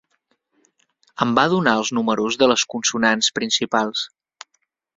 Em va donar els números de les consonants principals.